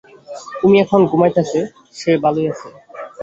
উমি এখন ঘুমাইতেছে–সে ভালোই আছে।